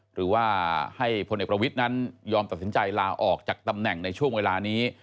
หรือว่าให้พลเอกประวิทย์นั้นยอมตัดสินใจลาออกจากตำแหน่งในช่วงเวลานี้